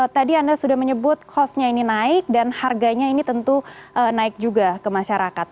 tadi anda sudah menyebut costnya ini naik dan harganya ini tentu naik juga ke masyarakat